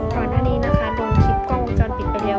ตอนนี้นะคะโดนคลิปกล้องมองจรปิดไปแล้วอ่ะ